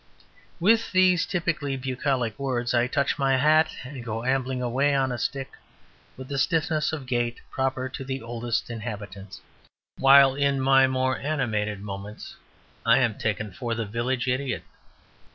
With these typically bucolic words I touch my hat and go ambling away on a stick, with a stiffness of gait proper to the Oldest Inhabitant; while in my more animated moments I am taken for the Village Idiot.